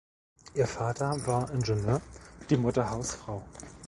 Ihr Vater war Ingenieur, die Mutter Hausfrau.